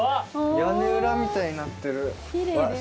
屋根裏みたいになってる。